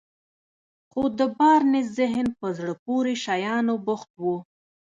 خو د بارنس ذهن په زړه پورې شيانو بوخت و.